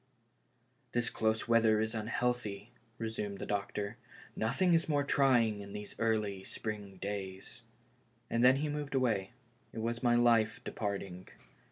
" This close weather is unhealthy," resumed the doc tor ;" nothing is more trying than these early spring days." And then he moved away. It was my life departing.